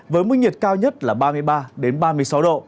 với mức nhiệt cao nhất là ba mươi ba ba mươi sáu độ